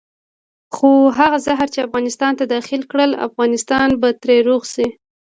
خو هغه زهر چې افغانستان ته داخل کړل افغانستان به ترې روغ شي.